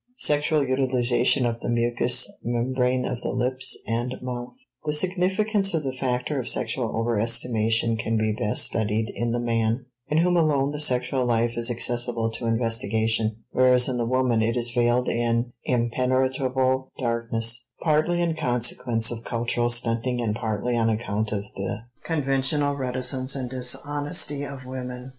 *Sexual Utilization of the Mucous Membrane of the Lips and Mouth.* The significance of the factor of sexual overestimation can be best studied in the man, in whom alone the sexual life is accessible to investigation, whereas in the woman it is veiled in impenetrable darkness, partly in consequence of cultural stunting and partly on account of the conventional reticence and dishonesty of women.